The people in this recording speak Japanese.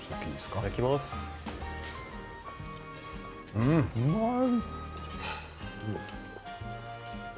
うん、うまい！